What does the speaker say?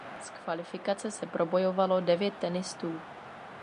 Z kvalifikace se probojovalo devět tenistů.